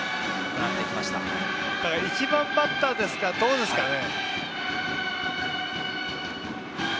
ただ、１番バッターですからどうですかね。